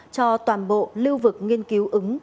cho toàn bộ lưu vực nghiên cứu ứng